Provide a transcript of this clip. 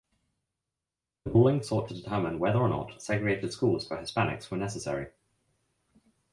The ruling sought to determine whether or not segregated schools for Hispanics were necessary.